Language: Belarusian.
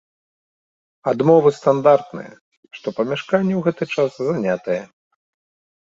Адмовы стандартныя, што памяшканне ў гэты час занятае.